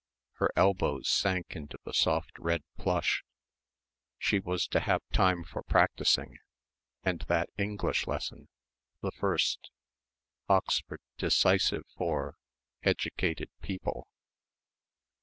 Her elbows sank into soft red plush. She was to have time for practising and that English lesson the first Oxford, decisive for educated people....